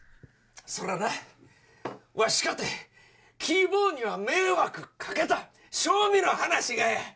それはな、わしかて、キー坊には迷惑かけた、正味の話やが。